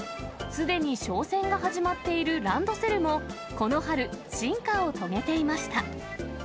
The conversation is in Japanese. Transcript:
すでに商戦が始まっているランドセルも、この春、進化を遂げていました。